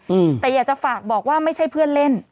อืมแต่อยากจะฝากบอกว่าไม่ใช่เพื่อนเล่น